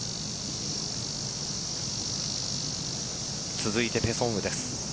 続いてペ・ソンウです。